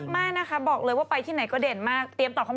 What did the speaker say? มาดูเรื่องแรกของเราวันนี้นะครับ